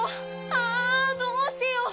あどうしよう！